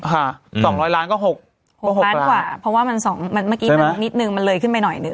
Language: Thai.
สองร้อยล้านก็หกหกล้านกว่าเพราะว่ามันสองมันเมื่อกี้มันนิดนึงมันเลยขึ้นไปหน่อยนึ